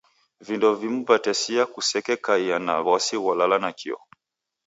Vindo vimu vatesia kusekekaia na w'asi gholala nakio.